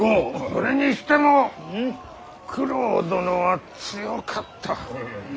それにしても九郎殿は強かった。